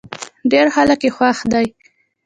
ډېری خلک يې خوښ دی.